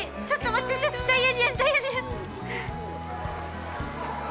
ちょっと待って。